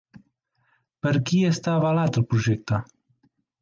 Per qui està avalat el projecte?